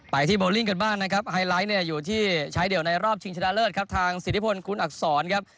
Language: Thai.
ที่โบลิ่งกันบ้างนะครับไฮไลท์เนี่ยอยู่ที่ชายเดี่ยวในรอบชิงชนะเลิศครับทางสิทธิพลคุณอักษรครับ